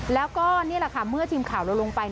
แล้วก็นี่แหละค่ะเมื่อทีมข่าวเราลงไป